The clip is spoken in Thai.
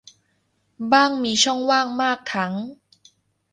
บ้างมีช่องว่างมากทั้ง